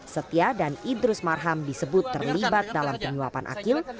setia dan idrus marham disebut terlibat dalam penyuapan akil